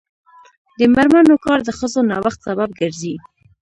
د میرمنو کار د ښځو نوښت سبب ګرځي.